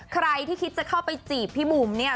ใครที่คิดจะเข้าไปจีบพี่บุ๋มเนี่ย